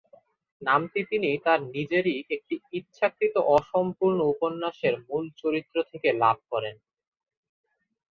নামটি তিনি তার নিজেরই একটি ইচ্ছাকৃত অসম্পূর্ণ উপন্যাসের মূল চরিত্র থেকে লাভ করেন।